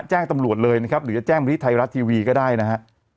แจ้งตำรวจเลยนะครับหรือจะแจ้งมาที่ไทยรัฐทีวีก็ได้นะฮะ